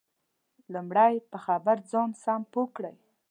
لمړی په خبر ځان سم پوه کړئ